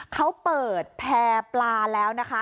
เขาเปิดแพร่ปลาแล้วนะคะ